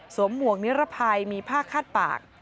สวมห่วงนิรภัยมีผ้าคาดปาก